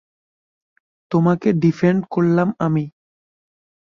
তোমাকে ডিফেন্ড করলাম আমি।